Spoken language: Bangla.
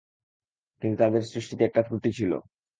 কিন্তু তাদের সৃষ্টিতে একটা ত্রুটি ছিলো।